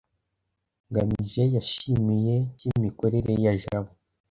ngamije yishimiye cy imikorere ya jabo